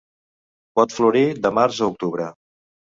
Pot florir de març a octubre.